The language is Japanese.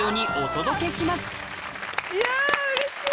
いやうれしい！